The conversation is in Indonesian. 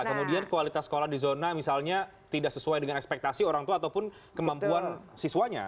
kemudian kualitas sekolah di zona misalnya tidak sesuai dengan ekspektasi orang tua ataupun kemampuan siswanya